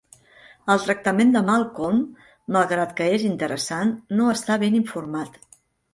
El tractament de Malcolm, malgrat que és interessant, no està ben informat.